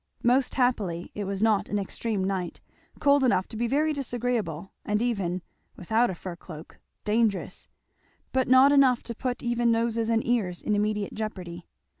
Most happily it was not an extreme night; cold enough to be very disagreeable and even (without a fur cloak) dangerous; but not enough to put even noses and ears in immediate jeopardy.